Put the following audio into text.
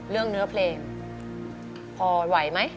เรื่องเนื้อเพลงพอไหวไหม